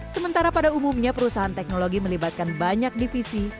sementara pada umumnya perusahaan teknologi melibatkan banyak divisi